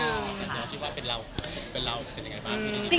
ถึงว่าเป็นเราเป็นยังไงบ้าง